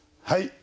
はい。